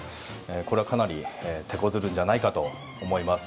これはかなり、てこずるんじゃないかと思います。